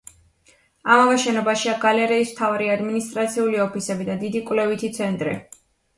ამავე შენობაშია გალერეის მთავარი ადმინისტრაციული ოფისები და დიდი კვლევითი ცენტრი.